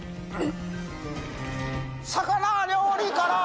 魚料理から！